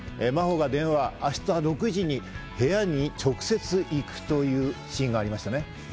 真帆が電話、明日６時に部屋に直接行くというシーンがありましたね。